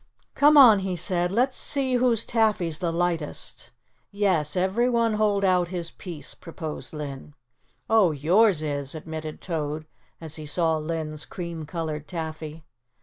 "Come on," he said, "let's see who's taffy's the lightest." "Yes, everyone hold out his piece," proposed Linn. "Oh, yours is," admitted Toad as he saw Linn's cream colored taffy.